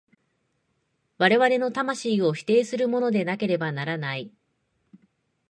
我々の魂を否定するものでなければならない。